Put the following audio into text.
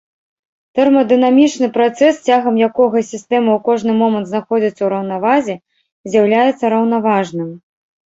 Тэрмадынамічны працэс, цягам якога сістэма ў кожны момант знаходзіцца ў раўнавазе, з'яўляецца раўнаважным.